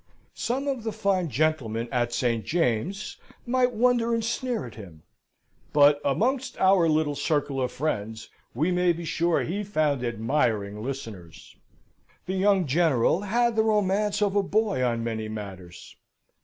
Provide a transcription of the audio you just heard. Some of the fine gentlemen at St. James's might wonder and sneer at him; but amongst our little circle of friends we may be sure he found admiring listeners. The young General had the romance of a boy on many matters.